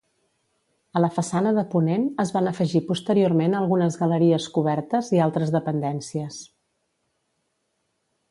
A la façana de ponent es van afegir posteriorment algunes galeries cobertes i altres dependències.